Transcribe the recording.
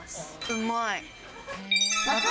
うまい。